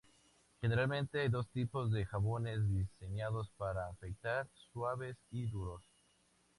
Generalmente, hay dos tipos de jabones diseñados para afeitar: suaves y duros.